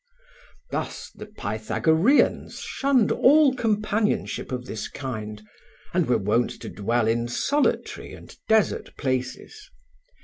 Thus the Pythagoreans shunned all companionship of this kind, and were wont to dwell in solitary and desert places.